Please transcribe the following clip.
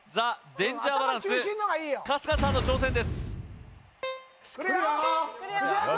デンジャーバランス春日さんの挑戦です来るよ！